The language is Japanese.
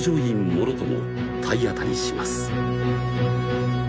もろとも体当たりします